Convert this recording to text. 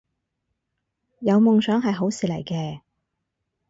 有夢想係好事嚟嘅